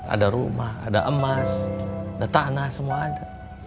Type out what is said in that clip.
ada rumah ada emas ada tanah semua ada